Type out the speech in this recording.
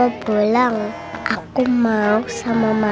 yang patut melakukan keseluruhan macro